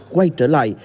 quay trở lại